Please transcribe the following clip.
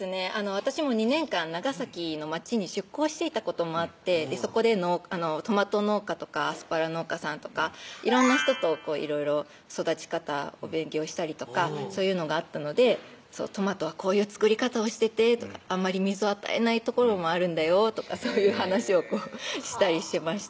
私も２年間長崎の町に出向していたこともあってそこでトマト農家とかアスパラ農家さんとか色んな人といろいろ育ち方を勉強したりとかそういうのがあったので「トマトはこういう作り方をしてて」とか「あんまり水を与えない所もあるんだよ」とかそういう話をしたりしてました